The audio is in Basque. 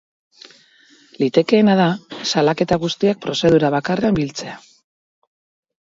Litekeena da salaketa guztiak prozedura bakarrean biltzea.